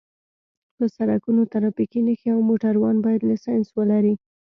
په سرکونو ټرافیکي نښې او موټروان باید لېسنس ولري